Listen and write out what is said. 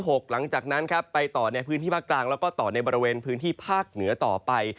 หลังจากนั้นครับไปต่อในพื้นที่ภาคกลางแล้วก็ต่อในบริเวณพื้นที่ภาคเหนือต่อไป